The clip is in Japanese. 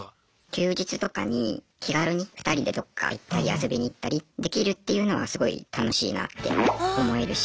休日とかに気軽に２人でどっか行ったり遊びに行ったりできるっていうのがすごい楽しいなって思えるし。